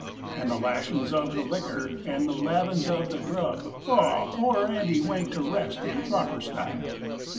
And the lashins of the liquor! And the lavins of the grub! Oh, poor Andy went to rest in proper style.